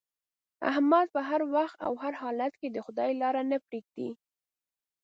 احمد په هر وخت او هر حالت کې د خدای لاره نه پرېږدي.